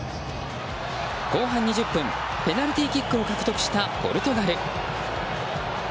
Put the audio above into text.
後半２０分ペナルティーキックを獲得したポルトガル。